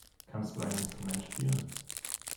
Kannst du ein Instrument spielen?